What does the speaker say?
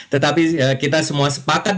tetapi kita semua sepakat